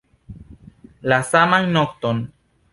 La saman nokton.